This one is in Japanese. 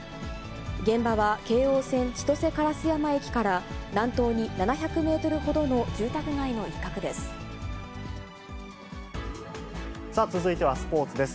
現場は京王線千歳烏山駅から南東に７００メートルほどの住宅街の続いてはスポーツです。